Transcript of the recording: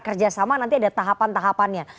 kerjasama nanti ada tahapan tahapannya